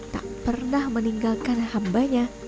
tak pernah meninggalkan hambanya